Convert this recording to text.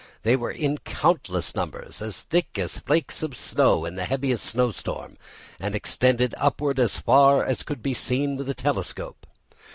They were in countless numbers, as thick as the flakes of snow in the heaviest snowstorm, and extended upward as far as could be seen with a telescope.